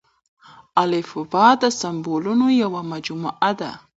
الفبې د سمبولونو يوه مجموعه ده.